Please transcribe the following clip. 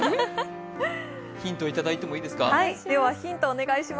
ヒントをいただいてもいいですか？